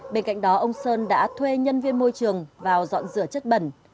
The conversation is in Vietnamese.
bên cạnh đó ông sơn đã thuê nhân viên môi trường vào dọn rửa chất bẩn